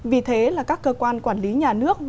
vì thế là các cơ quan quản lý nhà nước